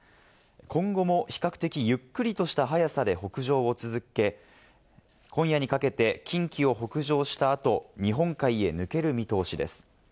今後も比較的ゆっくりとした速さで北上を続け、今夜にかけて近畿を北上した後、日本海へ抜ける見通しです。